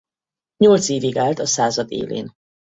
Nyolc évig állt a század élén.